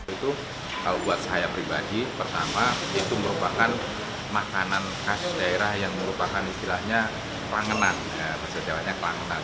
itu kalau buat saya pribadi pertama itu merupakan makanan khas daerah yang merupakan istilahnya klangenan